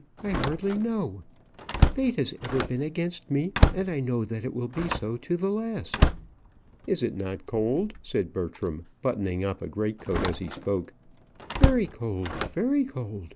I hardly know. Fate has ever been against me, and I know that it will be so to the last." "Is it not cold?" said Bertram, buttoning up a greatcoat as he spoke. "Very cold! very cold!"